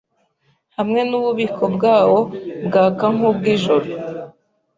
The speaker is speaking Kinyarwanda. hamwe nububiko bwawo bwaka nkuwijoro